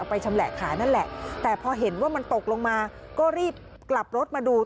ไปชำแหละขายนั่นแหละแต่พอเห็นว่ามันตกลงมาก็รีบกลับรถมาดู